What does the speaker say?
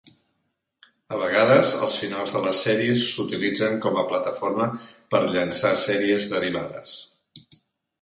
A vegades, els finals de les sèries s'utilitzen com a plataforma per llançar series derivades.